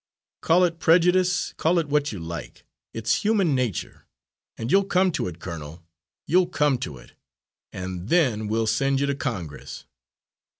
Call it prejudice call it what you like it's human nature, and you'll come to it, colonel, you'll come to it and then we'll send you to Congress."